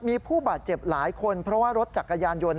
มีผู้บาดเจ็บหลายคนเพราะว่ารถจักรยานยนต์